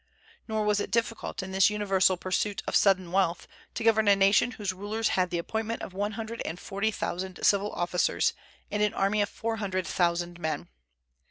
Nor was it difficult, in this universal pursuit of sudden wealth, to govern a nation whose rulers had the appointment of one hundred and forty thousand civil officers and an army of four hundred thousand men.